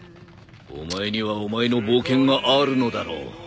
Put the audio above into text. お前にはお前の冒険があるのだろう。